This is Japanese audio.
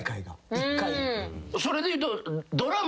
それでいうと。